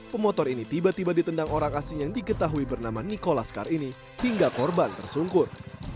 pemotor ini tiba tiba ditendang orang asing yang diketahui bernama nikolas kar ini hingga korban tersungkur